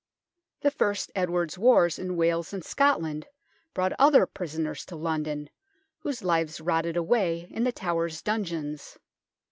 The first Edward's wars in Wales and Scotland brought other prisoners to London, whose lives rotted away in The Tower's dungeons.